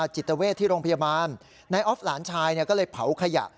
จิตเวทที่โรงพยาบาลนายออฟหลานชายก็เลยเผาขยะ